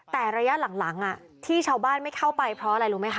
แต่ระยะหลังที่ชาวบ้านไม่เข้าไปเพราะอะไรรู้ไหมคะ